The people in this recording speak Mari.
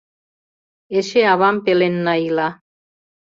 Эше авам пеленна ила.